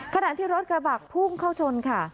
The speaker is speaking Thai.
ขณะที่รถกระบะพุ่งเข้าชนค่ะ